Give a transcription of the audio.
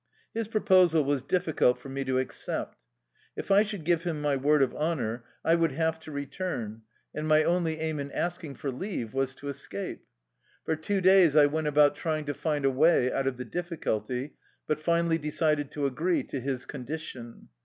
His proposal was difficult for me to accept. If I should give him my word of honor I would 106 / THE LIFE STORY OF A RUSSIAN EXILE have to return, and my only aim in asking for leave was to escape. For two days I went about trying to find a way out of the difficulty, but finally decided to agree to his condition.